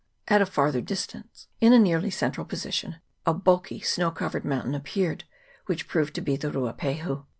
At a farther distance, in a nearly central position, a bulky snow covered mountain appeared, which proved to be the Ruapahu.